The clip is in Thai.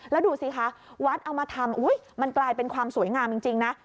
แล้วดูสิคะวัดเอามาทำมันกลายเป็นความสวยงามจริงนะ